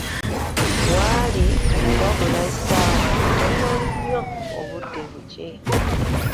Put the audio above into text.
Waali wabula essaawa ntono nnyo obudde bukye.